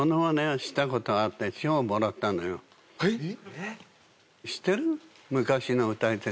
えっ？